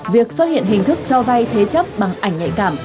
việc xuất hiện hình thức cho vay thế chấp bằng ảnh nhạy cảm